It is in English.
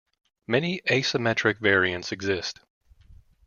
Many asymmetric variants exist.